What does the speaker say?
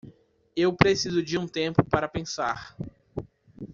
Eu preciso de um tempo para pensar.